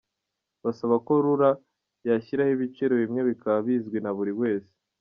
Basaba ko Rura yashyiraho ibiciro bimwe bikaba bizwi naburi wese.